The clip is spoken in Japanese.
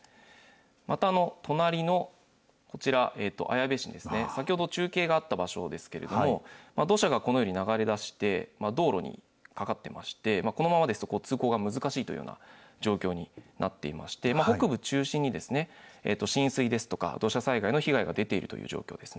また隣のこちら、綾部市ですね、先ほど中継があった場所ですけれども、土砂がこのように流れ出して、道路にかかっていまして、このままですと通行が難しいというような状況になっていまして、北部中心に、浸水ですとか土砂災害の被害が出ているという状況です